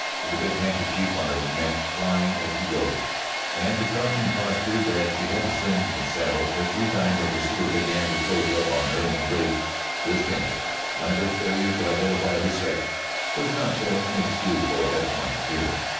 With the big handkerchief on her neck flying as she rode, and the crouching posture that she had assumed in the saddle every time her pursuer began to close up on her in the race just ended, Lambert's failure to identify her sex was not so inexcusable as might appear.